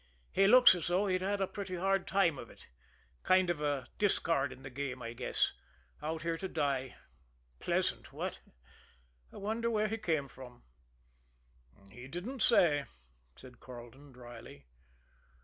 "He looks as though he'd had a pretty hard time of it kind of a discard in the game, I guess. Out here to die pleasant, what? I wonder where he came from?" "He didn't say," said Carleton dryly.